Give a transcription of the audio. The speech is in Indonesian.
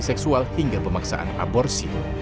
seksual hingga pemaksaan aborsi